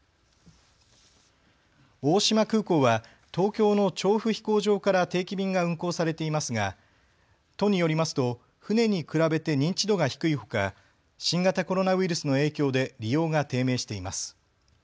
大島空港は東京の調布飛行場から定期便が運航されていますが都によりますと船に比べて認知度が低いほか新型コロナウイルスの影響で利用が低迷しています。